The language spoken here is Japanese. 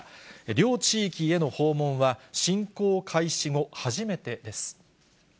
両地域への訪問は、侵攻開始後初めてです。